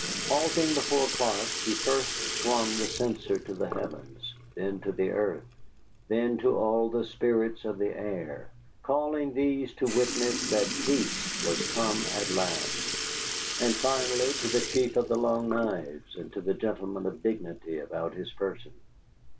Halting before Clark, he first swung the censer to the heavens, then to the earth, then to all the spirits of the air, calling these to witness that peace was come at last, and finally to the Chief of the Long Knives and to the gentlemen of dignity about his person.